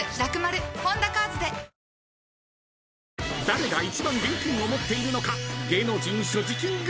［誰が一番現金を持っているのか］